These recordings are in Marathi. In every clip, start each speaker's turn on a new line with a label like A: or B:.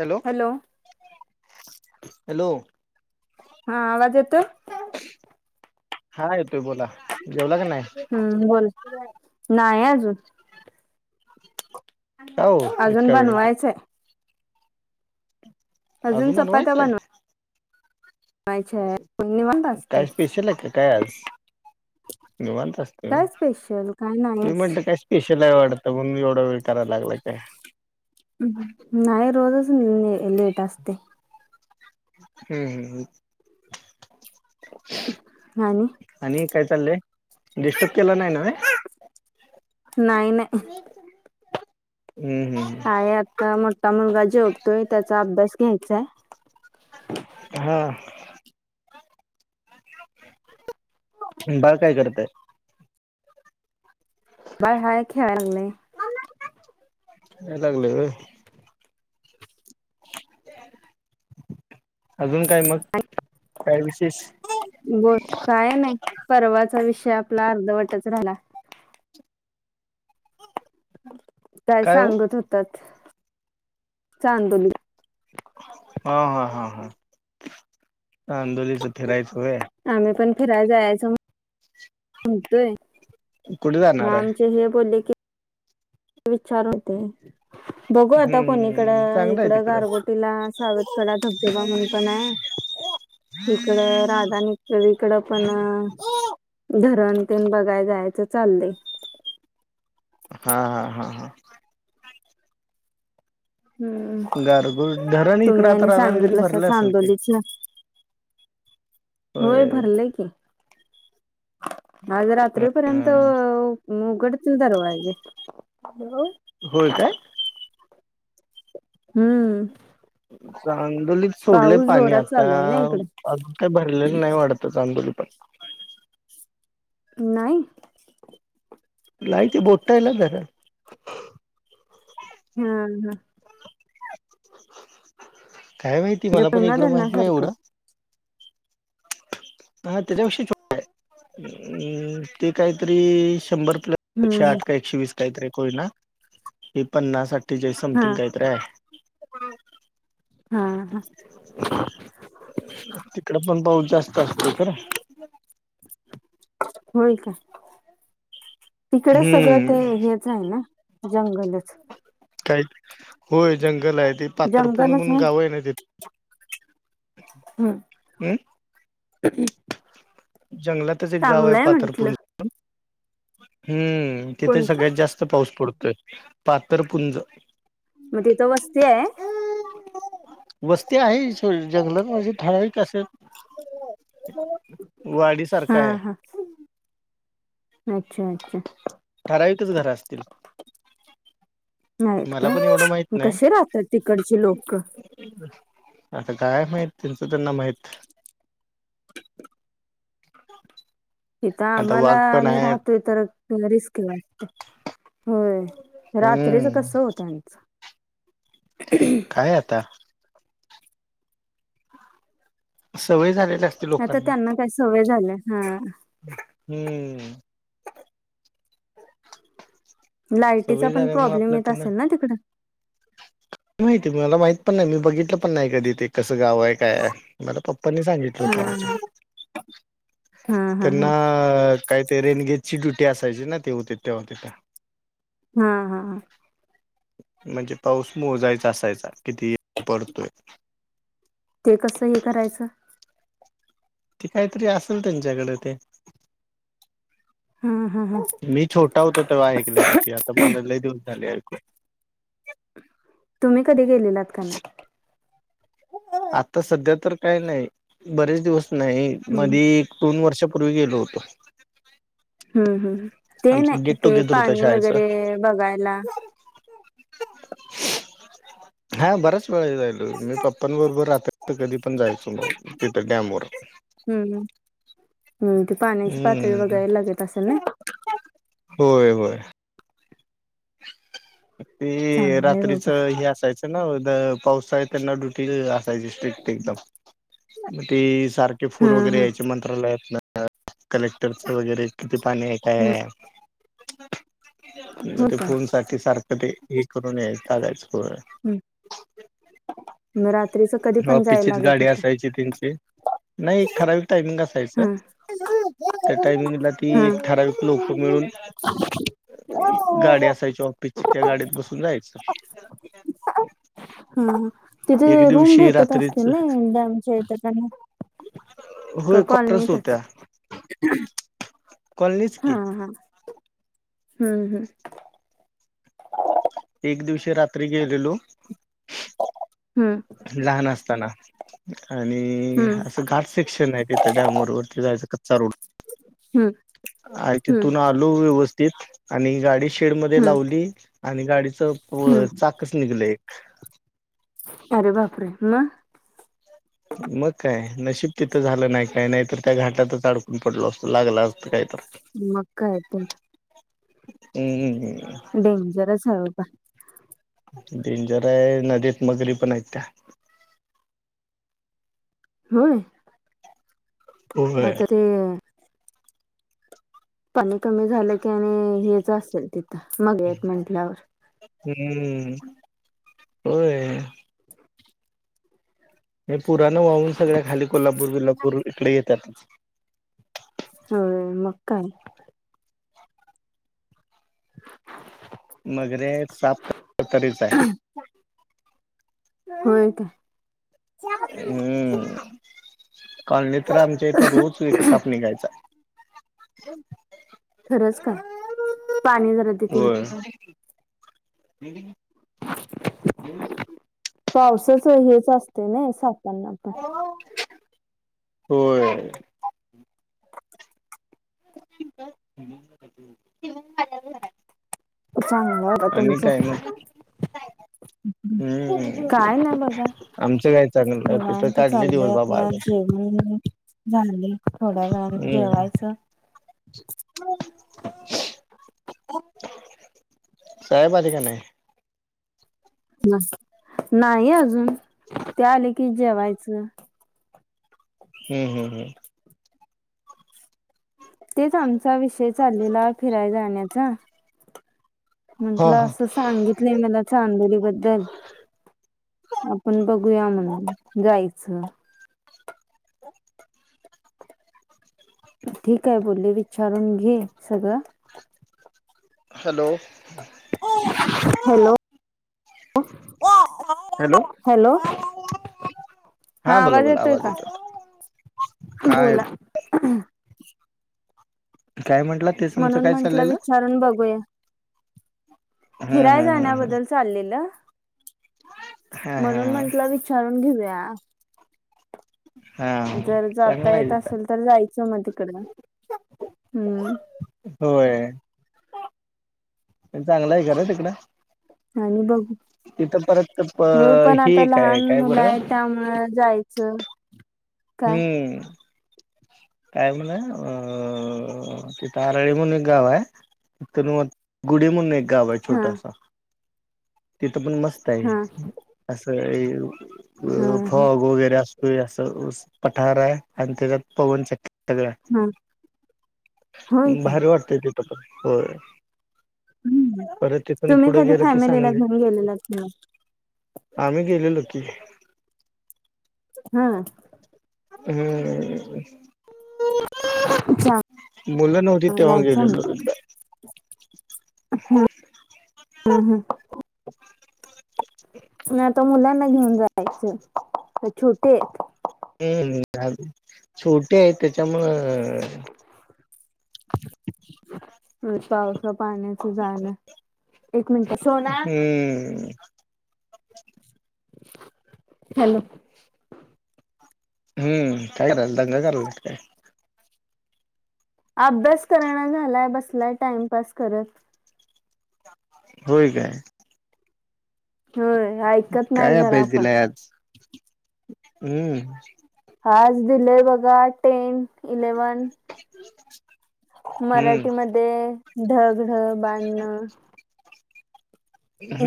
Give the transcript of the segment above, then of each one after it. A: हॅलो. हॅलो.
B: हा आवाज येतोय
A: हा येतोय बोला. जेवला का नाही?
B: हम्म. बोल? नाही अजून.
A: का हो
B: अजून
A: इतका वेळ
B: बनवायचंय.
A: अजून बनवायचाय?
B: बनवायच्या आहेत निवांत असते
A: काय स्पेशल आहे का काय आज? निवांत असत.
B: काय स्पेशल काय
A: मी
B: नाहीच
A: म्हटलं काय स्पे स्पेशल हाय वाटतं म्हणून एवढा वेळ कराय लागलाय काय.
B: नाही रोजच ले अ लेट असते.
A: हम् हम् ह.
B: नाही.
A: आणि काय चाललंय? डिस्टर्ब केला नाही नव्हे.
B: नाय नाही.
A: हम्म हम्म
B: आहे अजू जरा मोठा मुलगा जेवतोय. त्याचा अभ्यास घ्यायचाय.
A: हा. बाळ काय करतय?
B: बाळ हाय खेळाय लागलय.
A: खेळाय लागले व्हय. अजून काय मग? काय विशेष?
B: बो काय नाही. परवाचा विषय आपला अर्धवटच राहिला. काय सांगत होतात. चांदोलीत
A: हा हा हा हा चांदोलीच फिरायच होय.
B: आम्ही पण फिरायला जायाच म्हणतोय.
A: कुठे
B: म
A: जाणार आहे
B: आमचे हे बोलले की विचार होते. बघू आता कोणीकड
A: हम्म चांगलं आहे
B: इकडं
A: तिकडे
B: गारगोटीला सावतकडा धबधबा म्हणून पण आहे.
A: [unintelligible]
B: इकडं राधानगरी कड पण धरण तेन बघाय जायचं चाललंय.
A: हा हा हा हा
B: हम्म
A: गारगोळ धरण इकडं
B: तुम्ही
A: आता
B: आणि
A: राधानगरी
B: सांगितलासा
A: भरलं असेल की
B: चांदोलीच होय भरलय की, आज रात्रीपर्यंत मूघड तील दरवाजे, हो.
A: होय काय?
B: हम्म
A: चांदोलीत सोडलेय
B: पाऊस
A: पाणी
B: जोरात
A: आता
B: चालू आहे ना इकडे
A: अजून काय भरलेलं नाही वाडत चांदोली पण,
B: नाही.
A: लाईट बोटायला धरा,
B: हम्म हम.
A: काय माहिती
B: जे
A: मला पण
B: पैना
A: इकडं माहित नाही
B: धरणासारखं
A: एवढं, हा त्याच्या विषयी अम् ते काहीतरी शंभर
B: हम्म
A: प्लसशे,
B: हम्म.
A: आठ का एकशे वीस कायतरी कोयना, हे पन्नास अट अठ्ठेचाळीस
B: हा
A: समथिंग काहीतर हाय.
B: हा हा
A: तिकड पण पाऊस जास्त असतोय खरं.
B: होय का तिकड सगळं
A: हम्म
B: ते हेच आहे ना जंगलच.
A: काही ते होय जंगल आहे ते पातरपुन म्हनून गाव आहे ना ति
B: हम्
A: हम्म? जंगलातच एक गाव आहे, पाथरपुं
B: म्हंटलं
A: हम्म तिथे
B: कोणतं
A: सगळ्यात जास्त पाऊस पडतोय पाथरपुंज.
B: मग तिथं वस्ती आहे?
A: वस्ती आहे जंगलात म्हणजे ठरावीक अस वाडी सारखा
B: हा
A: आहे
B: हा अच्छा अच्छा.
A: ठराविकच घर असतील.
B: नाहीत
A: मला
B: काय,
A: पण एवढं माहित
B: मग
A: नाही
B: कसे राहतात तिकडचे लोक?
A: आता काय माहित त्यांचं त्यांना माहित.
B: इथ
A: आता
B: आम्हाला
A: वाघ पण
B: आम्ही
A: आहेत
B: राहतोय तर रिस्क वाटतंय. होय रात्रीच
A: हम्म
B: कस होत त्यांचं,
A: काय आता, सवय झाल्या
B: आता त्यांना काय सवय झाल्या हा.
A: हम्म.
B: लायटीचा
A: सवय
B: पण
A: झाल्यामुळे
B: प्रॉब्लेम
A: आपल्या
B: येत
A: त्यांना
B: असेल ना तिकड?
A: माहिती मला माहित पण नाही मी बघितलं पण नाही कधी ते कसं गाव आहे. काय मला पप्पनी सांगितलं
B: हा
A: होत आमच्या
B: हा हा
A: त्यांना
B: हा
A: अ काही ते रेनगेट ची ड्युटी असायची ना ते होते तेव्हा तिथ
B: हा, हा,
A: म्हणजे पाऊस मोजायचा असायचा, किती पडतोय?
B: ते कसं? हे करायचं?
A: ते काहीतरी असेल त्यांच्याकडे ते.
B: अं हं हं.
A: मी छोटा होतो तेव्हा ऐकलेलं, ती आता मला लयं दिवस झाली ऐकून.
B: तुम्ही कधी गेलेलात का नाही?
A: आता सध्या तर काय नाही, बरेच दिवस नाही,
B: हम्म
A: मधी दोन वर्षापूर्वी गेलो होतो.
B: हम्म, हम्, ते
A: आमचं
B: नाही
A: गेट
B: ते
A: टुगेदर होतं
B: पाणी
A: शाळेचं
B: वगैरे बघायला
A: हा बराच वेळा जायलो, मी पप्पांबरोबर रात्री. तिथं कधी पण जायचो, तिथं डॅमवर.
B: हम्म, हम्म. ते पाण्याची पातळी
A: हम्म
B: वगैरे लागत असेल ना.
A: होय, होय. ते
B: चांगलं आहे
A: रात्रीच
B: बाबा
A: हे असायचं. त्यांना द पावसाळ्यात त्यांना ड्युटी असायची स्ट्रिक एकदम मग ती सार ते
B: हा
A: फोन वगैरे
B: हा
A: याचे मंत्रालयातन कलेक्टरच वगैरे किती पाणी आहे? काय
B: हम्म
A: आहे? मग
B: हो
A: ते
B: का
A: फोनसाठी सारखं ते हे करून यायच चालायचं पुढं.
B: हम्म मग रात्रीच कधी पण जायला
A: ऑफिसचीच
B: लागत
A: गाडी
B: होत
A: असायची त्यांची, नाही ठराविक टाइमिंग असं जायचं,
B: हा
A: त्या टायमिंगला
B: हा
A: ती ठरावीक लोकं मिळून गाडी असायची ऑफिसची, त्या गाडीत बसून जायचं.
B: हा, हम्म, तिथे
A: एक
B: रूम
A: दिवशी
B: भेटत
A: रात्रीच
B: असतील ने डॅमच्या इथे, का नाही?
A: होय, कोटर्स होत्या, कॉलनीच
B: हा
A: की.
B: हा हम्म हम्.
A: एक दिवशी रात्री गेलेलो.
B: हम्म.
A: लहान असताना आणि
B: हम्म
A: असं घाट सेक्शन आहे ते. त्या डॅमवर वरती जायचा कचचा रोड,
B: हम्म
A: आणि
B: हम्म
A: तिथून आत आलो व्यवस्थित, आणि गाडी शेडमध्ये
B: हम्म
A: लावली, आणि गाडीच
B: हम्म
A: चाक कसं निघले एक.
B: अरे बापरे! मग?
A: मग काय, नशीब तिथं झालं नाही काय नाही, तर त्या घाटातच अडकून पडलो असतो, लागला असतं काय.
B: मग, काय तर.
A: हम्म्.
B: डेंजरस आहे बाबा.
A: डेंजर आहे, नदीत मगरी पण आहेत त्या.
B: होय!
A: होय
B: आता ते. पाणी कमी झालं की आणि हेच असेल तिथं, मगरी आहेत म्हंटल्यावर.
A: हम्म, होय. त्या पुराला वाहून सगळ्या खाली कोल्हापूर, विलापूर इकडे येतात.
B: होय मग काय. [inaudible]
A: मगरी आहेत, साप तरीच आहे.
B: ह [unintelligible] होय काय?
A: हम्म कॉलनी तर आमच्या इथं रोज एक साप निघायचा.
B: खरंच काय पाणी जरा दे तिला
A: व्हय.
B: पावसच हेच असतंय नी सापांना. पण
A: होय. [inaudible]
B: [inaudible]
A: आणि काय नाही. हम्मम.
B: काय ना बघा
A: तिथं
B: निवांत
A: काढले दिवस
B: चाललंय
A: बाबा
B: आता
A: आम्ही
B: जेवण झाले थोड्या वेळान
A: हम्म
B: जेवायचं.
A: साहेब आले का नाही?
B: नाही अजून ते आले की जेवायचं.
A: हम्म हम् हम्‌.
B: तेच आमचा विषय चालेला फिरायला जाण्याचा
A: हो
B: म्हंटलं
A: हो
B: असं सांगितलंय मला चांदोली बद्दल. आपण बघूया म्हणून जायचं. ठीक आहे बोले, विचारून घे सगळं.
A: हॅलो.
B: हॅलो.
A: हॅलो.
B: हॅलो. हा
A: बोला
B: आवाज
A: बोला
B: येतोय का?
A: येतो हा
B: बोला.
A: काय म्हंटलं तेच तुमचं
B: म्हणून
A: काय
B: म्हंटलं
A: चाललेलं
B: विचारून बघूया.
A: हम्म
B: फिराय
A: हम्म हम्म हम्म
B: जाण्याबद्दल चाललेलं,
A: हा
B: म्हणून
A: हा
B: म्हंटलं विचारू रून घेऊया.
A: हा
B: जर जाता
A: चांगला आहे
B: येत
A: तिथं
B: असेल तर, जायचं मग तिकडंन‌ हम्म.
A: होय. चांगलं हाय खरं तिकडं.
B: आणि बघू
A: तिथं परत प हे काय काय बरं?
B: त्यामुळ जायचं. काय
A: हम्म. काय म्हणे अ -आरळी म्हणून एक गाव आहे तिथून गुढी म्हणून एक गाव आहे
B: हा
A: छोटस. तिथं पण मस्त हाय,
B: हा
A: असं
B: हा हा
A: फॉग वगैरे अस. अस अस पठार हाय त्याच्यात पवन चक्की. सगळ्या
B: हा होय का
A: भारी वाटतंय तिथ पण होय.
B: हम्
A: परत तिथून
B: तुम्ही
A: पुढे
B: कधी
A: गेलं की
B: फॅमिलीला
A: सांगली
B: घेऊन गेलेलात नाही?
A: आम्ही गेलेलो की.
B: हा.
A: हम.
B: [inaudible]
A: मुलं नव्हतीत तेव्हा गेलेलो.
B: हा हा हा. तर मुलांना घेऊन जायचं ते छोटे आहेत
A: हम्म जाय छोटे आहेत त्याच्यामुंळ
B: पावसा पाण्यात जाण एक मिनिटं सोना
A: हम्म
B: हॅलो
A: हम्म काय कराल्यात दंगा कराल्यात काय
B: अभ्यास करना झालाय बसलाय टाइमपास करत
A: होय काय
B: होय हाय
A: काय अभ्यास दिलाय आज हम्
B: आज दिलेय बघा टेन इलेव्हन
A: [inaudible] हम्म
B: मराठीमध्ये ढग ढग बाण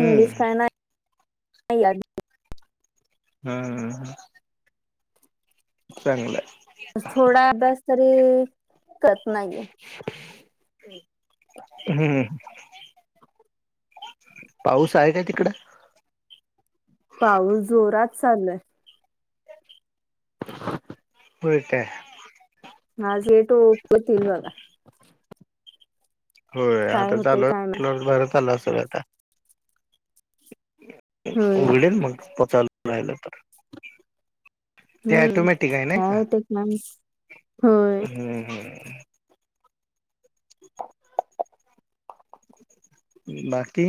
B: इंग्लिश काय नाही या
A: हम्म चांगलंये
B: थोडा अभ्यास तरी करत नाहीे ये
A: हम्म पाऊस आहे काय तिकड
B: पाऊस जोरात चालुये
A: होय काय
B: आज ओपन केली बघा
A: होय
B: काय
A: आता
B: होतय
A: चालू
B: काय माहित.
A: प्लग बर चाल असल आता
B: होय
A: उघडेल मग पचायला राहिलं तर ते
B: हम्म
A: ऑटोमॅटिक आहे नाही
B: काय
A: का
B: होतय काय माहित होय.
A: हम् बाकी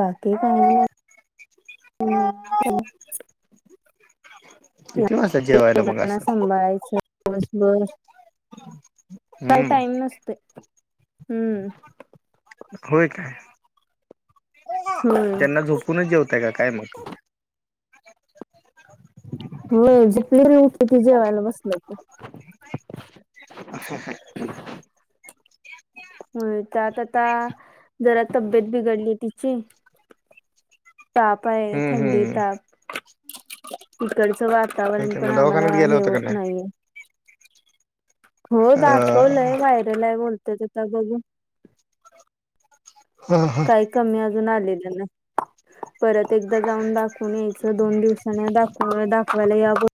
B: बाकी काही नाही हम्म हम्म
A: किती वाजली
B: दोघांना सांभाळायच दिवसभर काय
A: हम्म
B: टाईम नसतोय हम्म
A: होय काय
B: होय
A: त्यांना झोपूनच जेवताय का काय मग
B: व्हय झोपलेली उठली त जेवायला बसल की होय त्यात आता जरा तब्येत बिघडली तिची ताप आहे
A: हम्म
B: थंडी
A: हम्म
B: ताप तिकडचं वातावरण
A: ठीक आहे
B: पण
A: मग दवाखान्यात
B: आम्हाला
A: गेला
B: हे
A: होता का
B: होत
A: नाही
B: नाहीये हो
A: अ
B: दाखवलंय वायरल आहे बोलत्यात आता बघू
A: हम हम
B: काही कमी अजून आलेल नाही परत एकदा जाऊन दाव कोणी यायचं दोन दिवसांनी दाख दाखवायला या बोल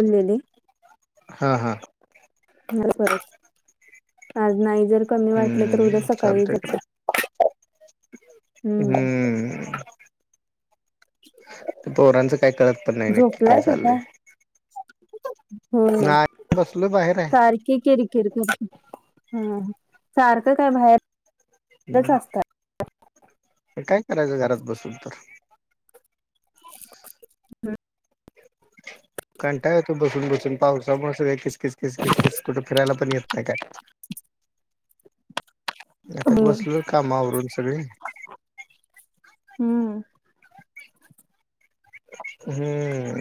B: बोललेले
A: हा हा
B: खरो खरच आज नाही जर कमी वाटलं तर उद्या
A: हम्म
B: सकाळी
A: चालतंय का
B: जात हम्म
A: हम्म पोरांचं काय कळत पण नाही, नक्की काय चाललंय?
B: हं
A: नाही बसलो बाहेर
B: सारखी कीरि किर करतय हं सारखं काय बाहेर इथंच
A: आहे
B: असतय.
A: काय करायचं घरात बसून तर?
B: हम्म
A: कंटाळा येतोय बसून बसून पावसामुळं सगळं किच किचकीच किचकीच कुठ फिरायला पण येत नाही काय. आता काय
B: हम्म
A: बसलोय काम आवरून सगळी
B: हम्म
A: हम्म